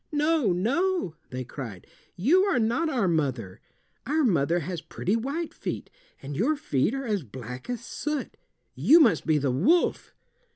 "No, no," they cried, "you are not our mother. Our mother has pretty white feet, and your feet are as black as soot. You must be the wolf."